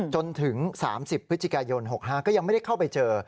จนถึง๓๐พฤศจิกายน๖๕ก็ยังไม่ได้เข้าไปเจอ